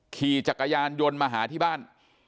ขี่จักรยานยนต์มาหาที่บ้าน